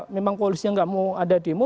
memang polisinya tidak mau ada demo